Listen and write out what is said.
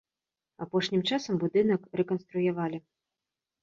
Апошнім часам будынак рэканструявалі.